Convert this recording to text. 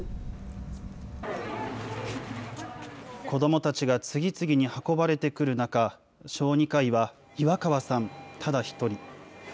子どもたちが次々に運ばれていく中、小児科医は岩川さんただ一人。